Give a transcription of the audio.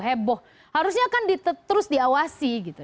heboh harusnya kan terus diawasi gitu